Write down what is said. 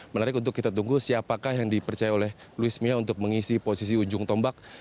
menarik untuk kita tunggu siapakah yang dipercaya oleh luis mia untuk mengisi posisi ujung tombak